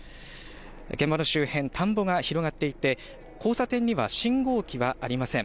現場の周辺、田んぼが広がっていて交差点には信号機はありません。